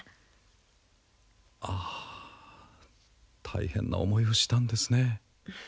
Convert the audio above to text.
ああ大変な思いをしたんですね。